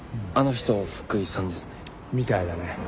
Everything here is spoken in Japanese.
あの人福井さんですね。